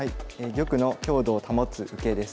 「玉の強度を保つ受け」です。